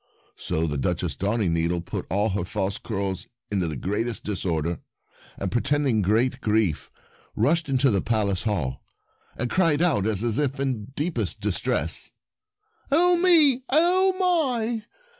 So the Duchess Darningneedle put all her false curls into the greatest disorder, and pretending great grief rushed into the Palace hall, and cried out as if in the deepest distress : "Oh, me!— oh, my!